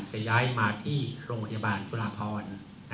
ไปย้ายมาที่โรงพยาบาลจุลาพร